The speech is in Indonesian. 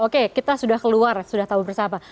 oke kita sudah keluar sudah tahu bersama